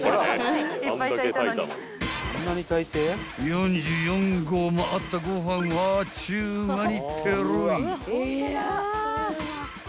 ［４４合もあったご飯をあっちゅう間にぺろり］